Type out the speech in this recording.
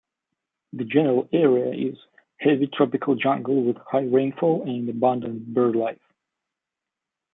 The general area is heavy tropical jungle with high rainfall and abundant birdlife.